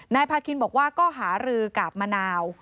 นายพาคินบอกว่าก็หารือกับมะนาว